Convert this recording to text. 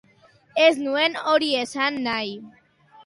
Ez nuen hori esan nahi.